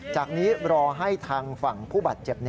จากนี้รอให้ทางฝั่งผู้บาดเจ็บ